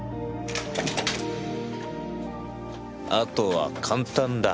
あとは簡単だ。